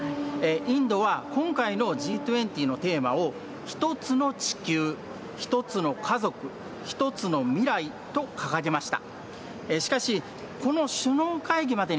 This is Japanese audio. インドは今回のＧ２０のテーマをひとつの地球、ひとつの家族、１つの未来と一つの未来と、掲げました。